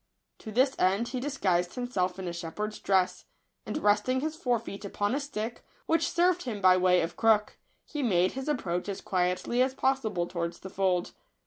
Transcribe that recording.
To this end he dis guised himself in a shepherd's dress; and, resting his fore feet upon a stick, which served him by way of crook, he made his approach as quietly as possible towards the fold.